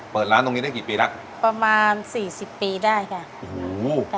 เปิดร้านตรงนี้ได้เกี่ยวกี่ปีละประมาณสี่สิบปีได้ค่ะอูวว